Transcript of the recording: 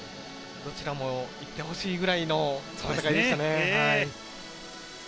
どちらも行ってほしいくらいの戦いですね。